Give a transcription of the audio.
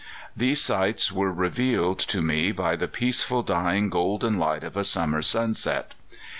These sights were revealed to me by the peaceful, dying golden light of a summer sunset.